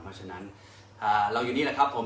เพราะฉะนั้นเราอยู่นี่แหละครับผม